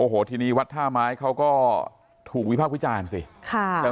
โอ้โหทีนี้วัดธามาชเขาก็ถูกวิภากวิจารณ์สิใช่ไหม